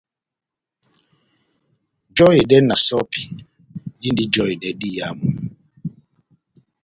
Jɛhedɛ na sɔ́pi dindi jɔhedɛ diyamu.